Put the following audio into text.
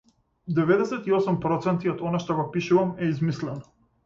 Деведесет и осум проценти од она што го пишувам е измислено.